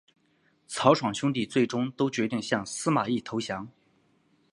曹爽兄弟最终都决定向司马懿投降。